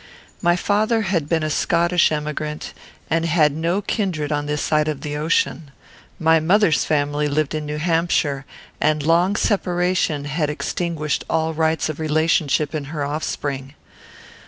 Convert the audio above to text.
My father had been a Scottish emigrant, and had no kindred on this side of the ocean. My mother's family lived in New Hampshire, and long separation had extinguished all the rights of relationship in her offspring.